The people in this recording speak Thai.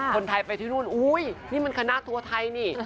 คนไทยไปที่นู่นอุ้ยนี่มันคณะทัวร์ไทยนี่